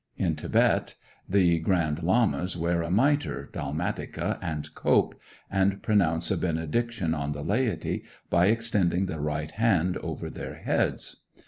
In Thibet the Grand Lamas wear a mitre, dalmatica, and cope, and pronounce a benediction on the laity by extending the right hand over their heads.